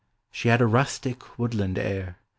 She had a rustic, woodland air.